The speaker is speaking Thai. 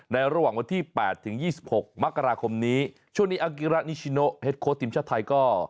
ระหว่างวันที่๘ถึง๒๖มกราคมนี้ช่วงนี้อากิระนิชิโนเฮ็ดโค้ดทีมชาติไทยก็